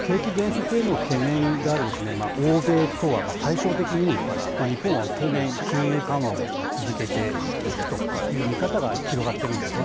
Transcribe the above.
景気減速への懸念がある欧米とは対照的に、日本は当面、金融緩和を続けていくという見方が広がってるんですね。